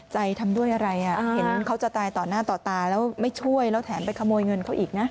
ทำด้วยอะไรเห็นเขาจะตายต่อหน้าต่อตาแล้วไม่ช่วยแล้วแถมไปขโมยเงินเขาอีกนะ